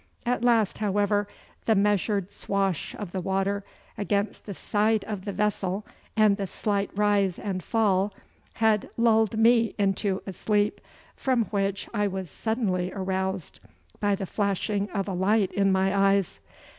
At last, however, the measured swash of the water against the side of the vessel and the slight rise and fall had lulled me into a sleep, from which I was suddenly aroused by the flashing of a light in my eyes.